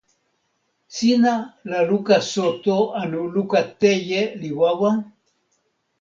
sina la luka soto anu luka teje li wawa?